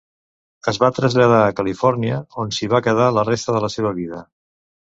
Es va traslladar a Califòrnia, on s'hi va quedar la resta de la seva vida.